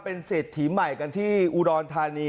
เป็นเศรษฐีใหม่กันที่อุดรธานี